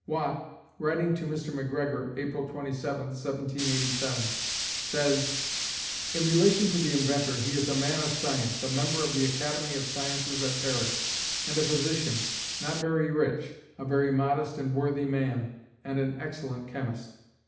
Watt, writing to Mr. Macgregor, April 27, 1787, says: In relation to the inventor, he is a man of science, a member of the Academy of Sciences at Paris, and a physician, not very rich, a very modest and worthy man, and an excellent chemist.